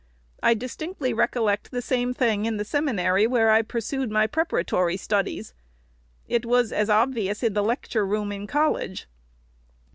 I distinctly recollect the same thing in the sem inary where I pursued my preparatory studies. It was ON SCHOOLHOUSES. 483 as obvious in the lecture room in college.